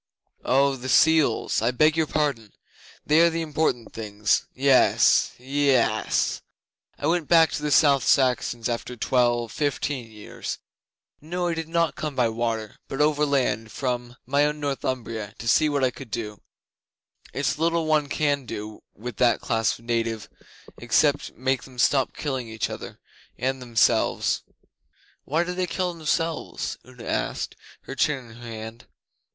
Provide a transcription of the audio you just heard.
'Oh, the seals! I beg your pardon. They are the important things. Yes yess! I went back to the South Saxons after twelve fifteen years. No, I did not come by water, but overland from my own Northumbria, to see what I could do. It's little one can do with that class of native except make them stop killing each other and themselves ' 'Why did they kill themselves?' Una asked, her chin in her hand.